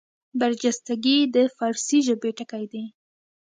برجستګي د فاړسي ژبي ټکی دﺉ.